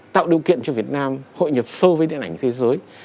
tạo điều kiện cho việt nam hội nhập sâu với điện ảnh thế giới